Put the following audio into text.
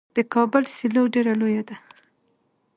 د کابل سیلو ډیره لویه ده.